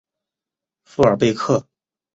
富尔贝克。